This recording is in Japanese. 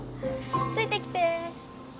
ついてきて。